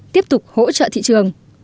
tiếp tục hỗ trợ thị trường